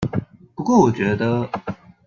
不過我覺得